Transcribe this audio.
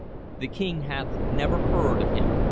The King hath never heard of him.